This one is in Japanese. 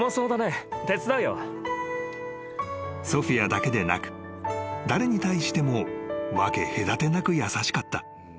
［ソフィアだけでなく誰に対しても分け隔てなく優しかった］